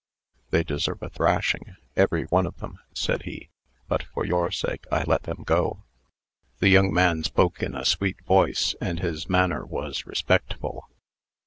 "They deserve a thrashing, every one of them," said he; "but, for your sake, I let them go." The young man spoke in a sweet voice, and his manner was respectful.